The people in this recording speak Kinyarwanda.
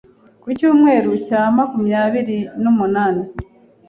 ku Icyumweru cya makumyabiri nu munani